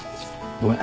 ごめん。